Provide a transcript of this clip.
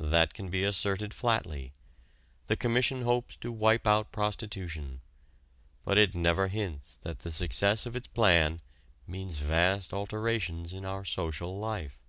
That can be asserted flatly. The Commission hopes to wipe out prostitution. But it never hints that the success of its plan means vast alterations in our social life.